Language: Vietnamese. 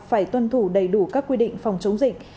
phải tuân thủ đầy đủ các quy định phòng chống dịch